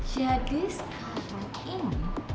jadi sekarang ini